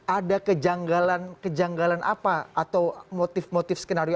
ada kejanggalan apa atau motif motif skenario